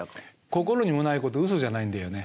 心にもないことウソじゃないんだよね。